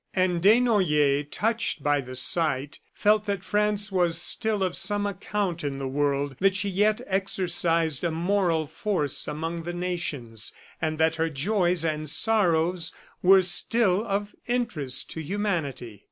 And Desnoyers, touched by the sight, felt that France was still of some account in the world, that she yet exercised a moral force among the nations, and that her joys and sorrows were still of interest to humanity.